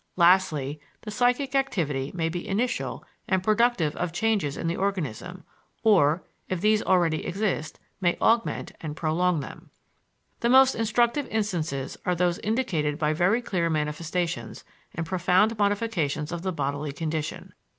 Lastly, the psychic activity may be initial and productive of changes in the organism, or, if these already exist, may augment and prolong them. The most instructive instances are those indicated by very clear manifestations and profound modifications of the bodily condition.